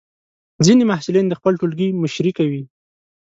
ځینې محصلین د خپل ټولګي مشري کوي.